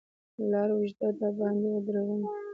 لار اوږده ده باندې درومم، پښي مې ابله سینه چاکه